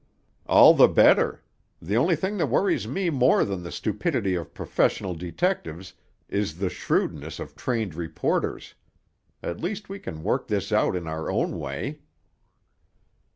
"All the better. The only thing that worries me more than the stupidity of professional detectives is the shrewdness of trained reporters. At least we can work this out in our own way."